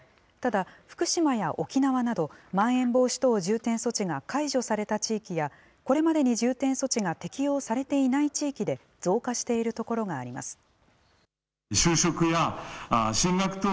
ただ、福島や沖縄など、まん延防止等重点措置が解除された地域や、これまでに重点措置が適用されていない地域で増加している所があります。